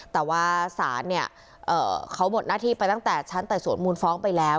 แต่ว่าศาลเนี่ยเขาหมดหน้าที่ไปตั้งแต่ชั้นไต่สวนมูลฟ้องไปแล้ว